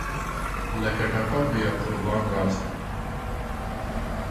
لکه ټپه پۀ یاقربان راسه !